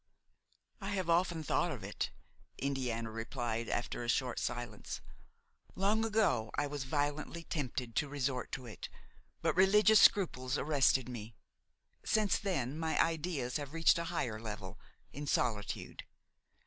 "I have often thought of it," Indiana replied after a short silence. "Long ago I was violently tempted to resort to it, but religious scruples arrested me. Since then my ideas have reached a higher level, in solitude.